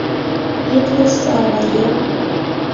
— Ит вурсо, аваем...